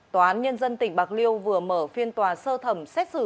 tòa án nhân dân tỉnh bạc liêu vừa mở phiên tòa sơ thẩm xét xử